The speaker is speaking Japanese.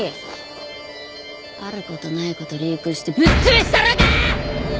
ある事ない事リークしてぶっ潰したろか！？